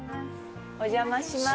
お邪魔します。